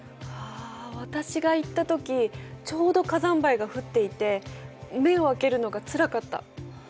あ私が行ったときちょうど火山灰が降っていて目を開けるのがつらかった。